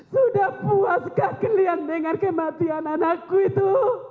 sudah puaskah kalian dengan kematian anakku itu